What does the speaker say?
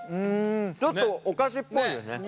ちょっとお菓子っぽいよね。